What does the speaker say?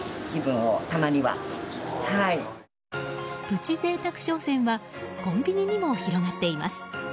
プチ贅沢商戦はコンビニにも広がっています。